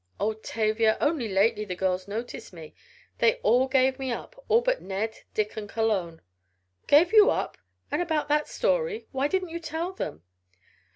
Oh, Tavia! Only lately the girls notice me. They all gave me up, all but Ned, Dick and Cologne!" "Gave you up! And about that story! Why didn't you tell them?"